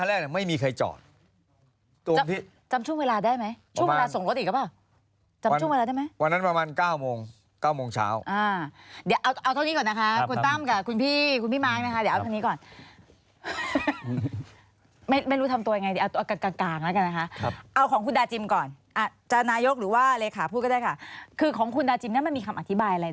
อะเดี๋ยวเอาเท่านี้ก่อนนะคะคุณตั้มกับคุณพี่คุณพี่มากนะคะดูเท่านี้ก่อน